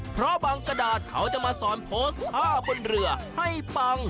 เพราะบางกระดาษเขาจะมาสอนโพสต์ท่าบนเรือให้ปัง